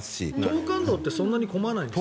東関道ってそんなに混まないんですか？